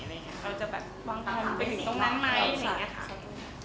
เราเวลาจะว่างทางไปตรงนั้นไหม